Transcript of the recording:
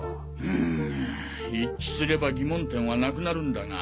うん一致すれば疑問点はなくなるんだが。